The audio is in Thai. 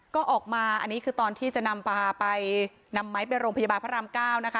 ก็ออกมาอันนี้คือตอนที่จะนำปลาไปนำไม้ไปโรงพยาบาลพระรามเก้านะคะ